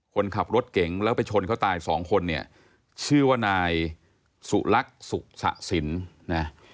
คนขับรถเก่งแล้วไปชนเขาตายสองคนเนี่ยชื่อว่านายสุรักสุขสะสินนะ